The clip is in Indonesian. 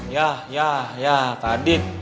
ya ya ya kak adit